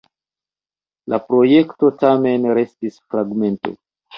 La projekto tamen restis fragmento.